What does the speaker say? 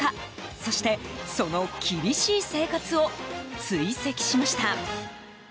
そして、その厳しい生活を追跡しました。